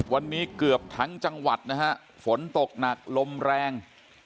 วันนี้เกือบทั้งจังหวัดนะฮะฝนตกหนักลมแรง